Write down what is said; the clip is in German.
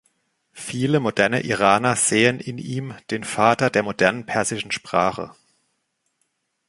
Viele moderne Iraner sehen in ihm den Vater der modernen persischen Sprache.